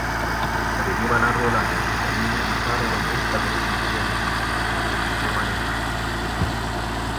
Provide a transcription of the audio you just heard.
Venivano arruolati i cittadini di sana e robusta costituzione fisica e di giovane età.